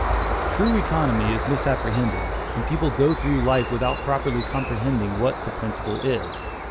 True economy is misapprehended, and people go through life without properly comprehending what that principle is.